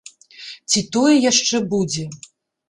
Ці тое яшчэ будзе!